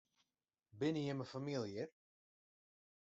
Binne jimme famylje?